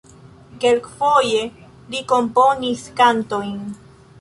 Kelkfoje li komponis kantojn.